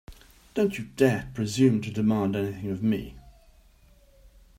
Don't you dare presume to demand anything of me!